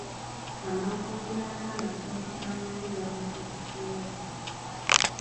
Amakungula g'amatooke amabi gavudde ku kirwadde.